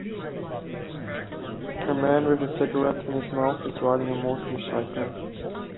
A man with a cigarette in his mouth is riding a motorcycle.